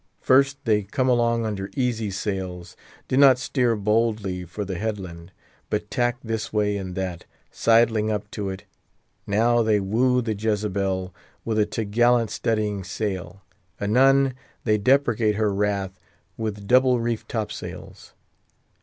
First, they come along under easy sails; do not steer boldly for the headland, but tack this way and that—sidling up to it, Now they woo the Jezebel with a t' gallant studding sail; anon, they deprecate her wrath with double reefed topsails.